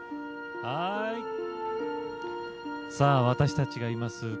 私たちがいます